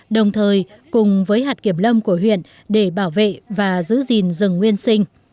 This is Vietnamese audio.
đồng thời cùng với hạt kiểm lâm của huyện để bảo vệ và giữ gìn rừng nguyên sinh